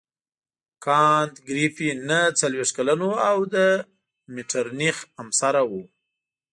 کانت ګریفي نهه څلوېښت کلن وو او د مټرنیخ همعصره وو.